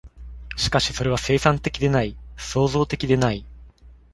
しかしそれは生産的でない、創造的でない。